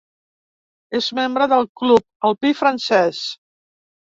És membre del Club Alpí Francès.